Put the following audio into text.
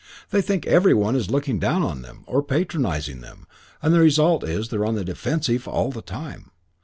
They think every one is looking down on them, or patronising them, and the result is they're on the defensive all the time.